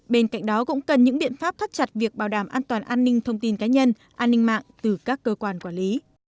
bên cạnh đó cũng cần những biện pháp thắt chặt việc bảo đảm an toàn an ninh thông tin cá nhân an ninh mạng từ các cơ quan quản lý